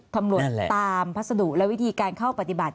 ตำรวจตามพัสดุและวิธีการเข้าปฏิบัติ